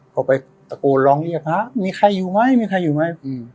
พอไปตะโกนร้องเรียกฮะมีใครอยู่ไหมมีใครอยู่ไหม